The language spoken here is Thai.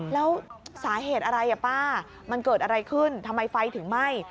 แล้วสาเหตุอะไรอ่ะป้ามันเกิดอะไรขึ้นทำไมไฟถึงไหม้